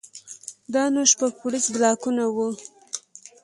دا نو شپږ پوړيز بلاکونه وو.